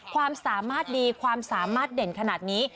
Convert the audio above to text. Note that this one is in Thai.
ความสามารถดีความสามารถเด่นขนาดนี้